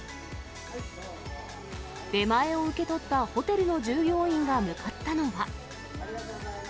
出前を受け取ったホテルの従業員が向かったのは。